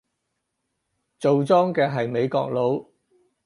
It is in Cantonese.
做莊嘅係美國佬